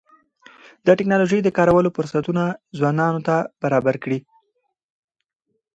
د ټکنالوژۍ د کارولو فرصتونه ځوانانو ته برابر دي.